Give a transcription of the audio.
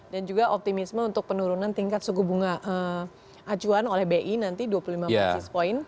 dan juga optimisme untuk penurunan tingkat suguh bunga acuan oleh bi nanti dua puluh lima basis point